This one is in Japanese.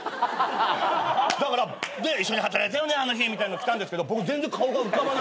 だから「一緒に働いたよねあの日」みたいなの来たんですけど僕。